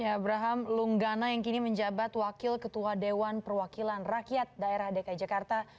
ya abraham lunggana yang kini menjabat wakil ketua dewan perwakilan rakyat daerah dki jakarta